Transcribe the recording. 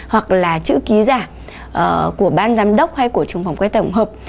hoặc là chữ ký giả của ban giám đốc hay của trường phòng quay tổng hợp